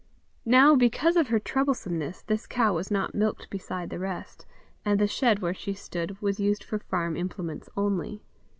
Now because of her troublesomeness this cow was not milked beside the rest, and the shed where she stood was used for farm implements only.